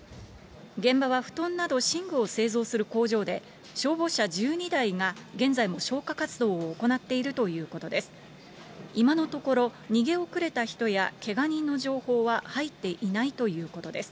現場は布団など寝具を製造する工場で、消防車１２台が現在も消火活動を行っているということです。